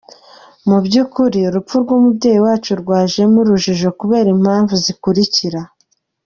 Mu by’ukuri urupfu rw’umubyeyi wacu rwajemo urujijo kubera impamvu zikurikira: